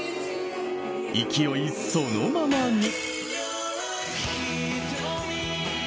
勢いそのままに。